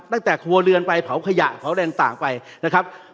ตั้งแต่ครัวเรือนไปเผาขยะเผาอะไรต่างไปนะครับ